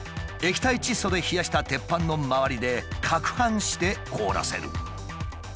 液体窒素で冷やした鉄板の周りでかくはんして凍らせる。